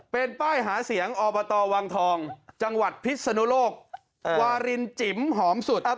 เป็นป้ายหาเสียงอบตวังทองจังหวัดพิษนุโลกวารินจิ๋มหอมสุด